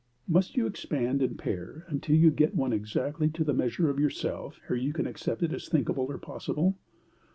Must you expand and pare until you get one exactly to the measure of yourself ere you can accept it as thinkable or possible?